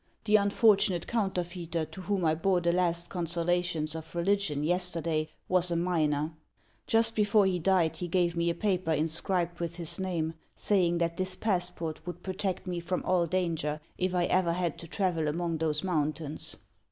The unfortunate counterfeiter to whom I bore the last consolations of religion yesterday was a miner. Just •/ w before he died he gave me a paper inscribed with his name, saying that this passport would protect me from all danger if I ever had to travel among those mountains.